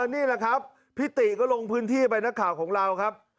นี่แหละครับพี่ติก็ลงพื้นที่ไปนักข่าวของเราครับ